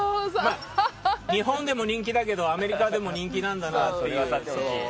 日本でも人気だけどアメリカでも人気なんだなって。